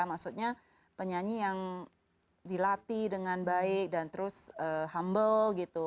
maksudnya penyanyi yang dilatih dengan baik dan terus humble gitu